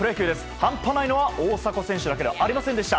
半端ないのは大迫選手だけではありませんでした。